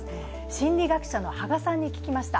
心理学者の芳賀さんに聞きました。